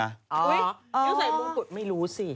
อ๋ออยู่ใส่มุมกุฎไม่รู้สิ